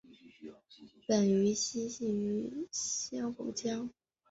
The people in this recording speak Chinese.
本鱼栖息于珊瑚礁。